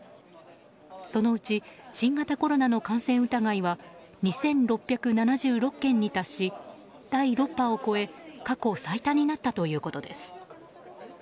そのうち新型コロナの感染疑いは２６７６件に達し第６波を超え過去最多になったということです。